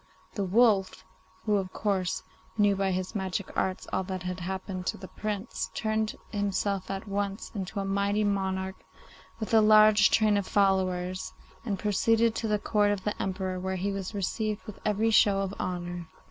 The wolf, who, of course, knew by his magic arts all that had happened to the Prince, turned himself at once into a mighty monarch with a large train of followers, and proceeded to the Court of the Emperor, where he was received with every show of honour.